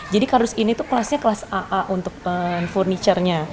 jadi kardus ini tuh kelasnya kelas aa untuk furniture nya